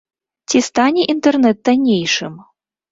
Ці стане інтэрнэт таннейшым?